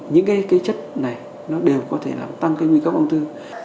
những cái chất này nó đều có thể làm tăng cái nguy cơ ung thư